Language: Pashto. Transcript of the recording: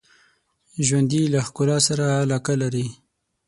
ژوندي له ښکلا سره علاقه لري